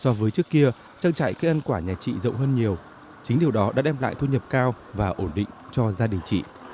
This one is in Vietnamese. so với trước kia trang trại cây ăn quả nhà chị rộng hơn nhiều chính điều đó đã đem lại thu nhập cao và ổn định cho gia đình chị